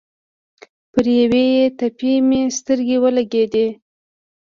پر یوې تپې مې سترګې ولګېدې.